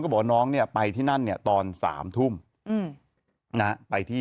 บอกว่าน้องเนี่ยไปที่นั่นเนี่ยตอน๓ทุ่มนะไปที่